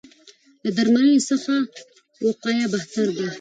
له درملنې څخه وقایه بهتره ده.